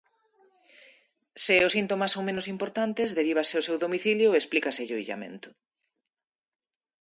Se os síntomas son menos importantes, derívase ao seu domicilio e explícaselle o illamento.